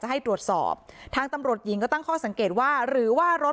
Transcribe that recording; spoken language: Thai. ให้ตรวจสอบทางตำรวจหญิงก็ตั้งข้อสังเกตว่าหรือว่ารถ